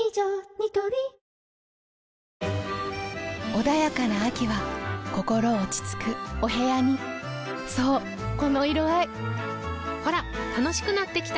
ニトリ穏やかな秋は心落ち着くお部屋にそうこの色合いほら楽しくなってきた！